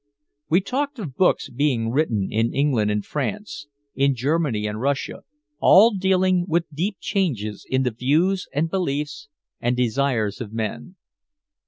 We talked of books being written in England and France, in Germany and Russia, all dealing with deep changes in the views and beliefs and desires of men.